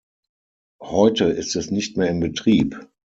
Heute ist es nicht mehr in Betrieb.